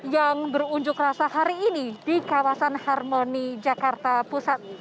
yang berunjuk rasa hari ini di kawasan harmoni jakarta pusat